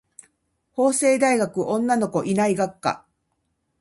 法政大学女の子いない学科